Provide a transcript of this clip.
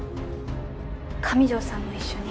上條さんも一緒に。